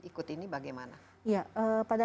ikut ini bagaimana ya pada